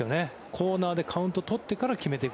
コーナーでカウントを取ってから決めていく。